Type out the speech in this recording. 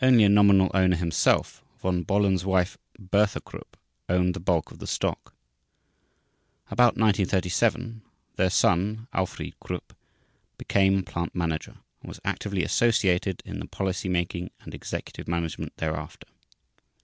Only a nominal owner himself, Von Bohlen's wife, Bertha Krupp, owned the bulk of the stock. About 1937 their son, Alfried Krupp, became plant manager and was actively associated in the policy making and executive management thereafter.